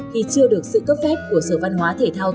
khi chưa được sự cấp phép của sở văn hóa thể thao